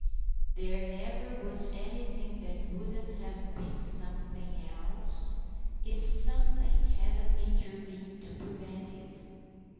There never was anything that wouldn't have been something else if something hadn't intervened to prevent it!